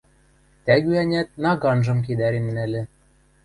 Тӓгӱ-ӓнят наганжым кедӓрен нальӹ.